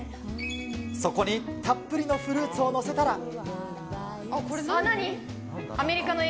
そこにたっぷりのフルーツをこれ、何？